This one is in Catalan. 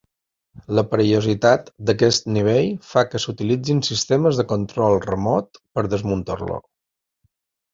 La perillositat d'aquest nivell fa que s'utilitzin sistemes de control remot per desmuntar-lo.